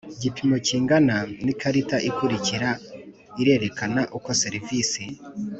gipimo kingana na Ikarita ikurikira irerekana uko serivisi